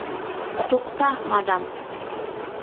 Туҡта, мадам!